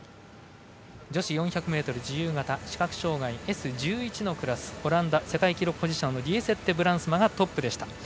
女子４００ｍ自由形視覚障がいＳ１１のクラスオランダ、世界記録保持者のリエセッテ・ブランスマがトップでした。